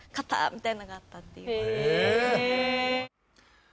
みたいなのがあったっていう。